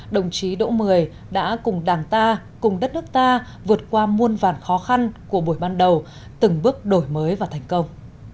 đồng chí đỗ mười đã cùng đảng ta cùng đất nước ta vượt qua muôn vàn khó khăn của buổi ban đầu từng bước đổi mới và thành công